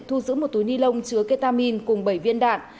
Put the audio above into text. thu giữ một túi ni lông chứa ketamin cùng bảy viên đạn